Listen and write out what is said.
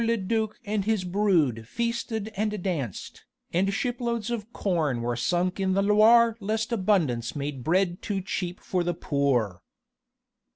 le duc and his brood feasted and danced, and shiploads of corn were sunk in the Loire lest abundance made bread too cheap for the poor!